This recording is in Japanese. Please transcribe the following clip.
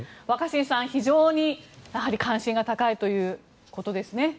若新さん、非常に関心が高いということですね。